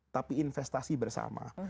tapi investasi bersama